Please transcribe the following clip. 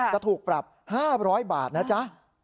จะถูกปรับ๕๐๐บาทนะจ๊ะ